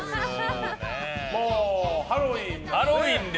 もうハロウィーンね。